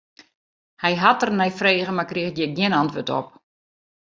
Hy hat der nei frege, mar kriget hjir gjin antwurd op.